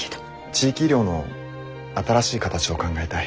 地域医療の新しい形を考えたい。